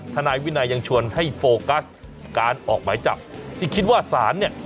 นายวินัยยังชวนให้โฟกัสการออกหมายจับที่คิดว่าศาลเนี่ย